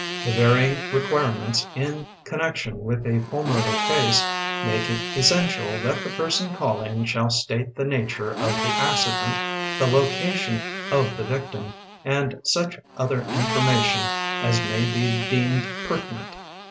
Tbe varying requirements In connection with a pulmotor case, make It essential that tbe person calling sbsll state the nature of tbe accideot, the location of tbe victim, and such other information as may be deemed pertinent.